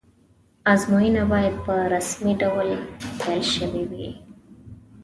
ازموینه باید په رسمي ډول پیل شوې وی.